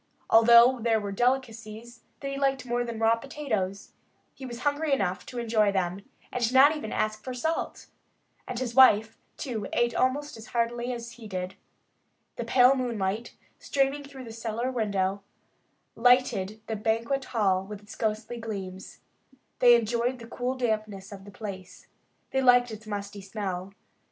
Although there were delicacies that he liked more than raw potatoes, he was hungry enough to enjoy them and not even ask for salt. And his wife, too, ate almost as heartily as he did. The pale moonlight, streaming through the cellar window, lighted their banquet hall with its ghostly gleams. They enjoyed the cool dampness of the place. They liked its musty smell.